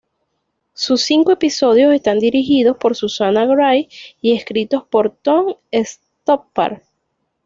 Sus cinco episodios están dirigidos por Susanna White y escritos por Tom Stoppard.